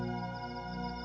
tidak ada apa apa